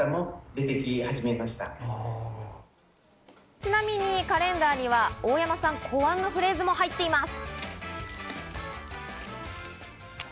ちなみにカレンダーには大山さん考案のフレーズも入っています。